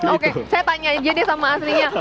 oke saya tanya aja deh sama aslinya